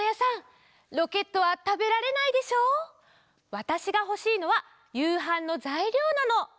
わたしがほしいのはゆうはんのざいりょうなの。